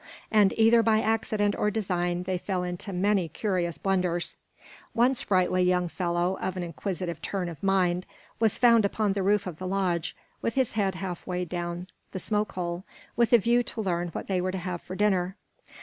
And either by accident or design they fell into many curions blunders. One sprightly young fellow of an inquisitive turn of mind was found upon the roof of the lodge, with his head half way down the smoke hole, with a view to learn what they were to have for dinner.